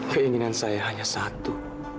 keinginan saya hanya satu